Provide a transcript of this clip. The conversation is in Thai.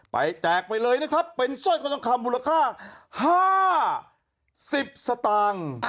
แจกไปเลยนะครับเป็นสร้อยคอทองคำมูลค่า๕๐สตางค์